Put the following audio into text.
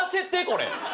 これ。